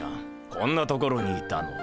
こんな所にいたのか。